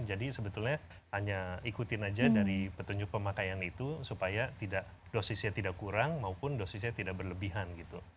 jadi sebetulnya hanya ikutin saja dari petunjuk pemakaian itu supaya dosisnya tidak kurang maupun dosisnya tidak berlebihan